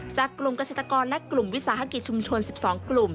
จากกลุ่มเกษตรกรและกลุ่มวิสาหกิจชุมชน๑๒กลุ่ม